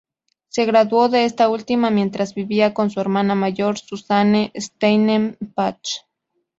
Se graduó de esta última mientras vivía con su hermana mayor Susanne Steinem Patch.